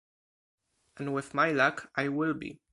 And with my luck, I will be.